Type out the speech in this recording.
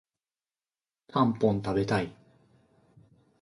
たんぽん食べたい